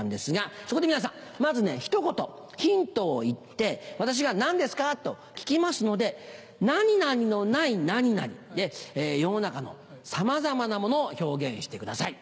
そこで皆さんまずねひと言ヒントを言って私が「何ですか？」と聞きますので「何々のない何々」で世の中のさまざまなものを表現してください。